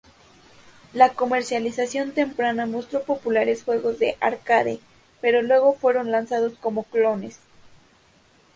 La comercialización temprana mostró populares juegos de arcade, pero luego fueron lanzados como clones.